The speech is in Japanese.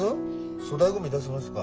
粗大ゴミ出しますか？